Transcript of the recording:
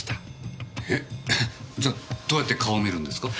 えっじゃあどうやって顔を見るんですか？